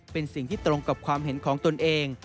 เป็นสิ่งที่ตรงกับความเห็นของตนเอง